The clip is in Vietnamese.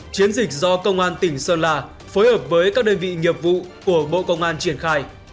chiến dịch do công an tỉnh sơn la phối hợp với các đơn vị nghiệp vụ của bộ công an triển khai